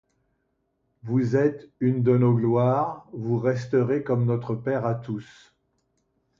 Vous êtes une de nos gloires, vous resterez comme notre père à tous.